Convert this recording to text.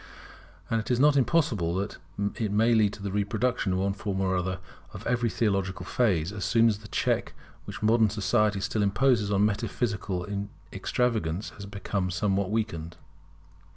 And it is not impossible that it may lead to the reproduction in one form or other of every theological phase as soon as the check which modern society still imposes on metaphysical extravagance has become somewhat weakened.